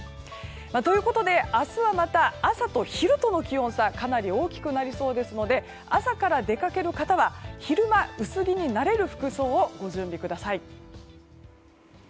ということで明日はまた朝と昼との気温差かなり大きくなりそうですので朝から出かける方は昼間、薄着になれる服装をご準備ください。